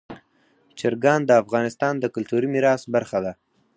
چرګان د افغانستان د کلتوري میراث برخه ده.